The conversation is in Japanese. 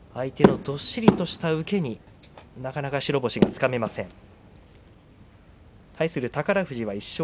相手のどっしりとした受けになかなか白星がつかめません。